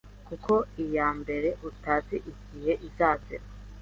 kuko iya mbere utazi igihe izazira.